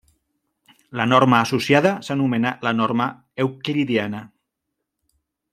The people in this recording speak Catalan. La norma associada s'anomena la norma euclidiana.